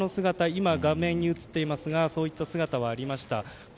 今、画面に映っていますがそういった姿はありました。